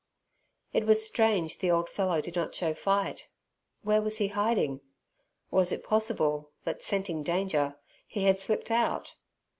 It was strange the old fellow did not show fight! Where was he hiding? Was it possible that, scenting danger, he had slipped out?